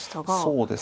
そうですね。